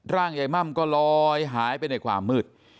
ร่างยายม่ำก็ลอยหายไปในความมืด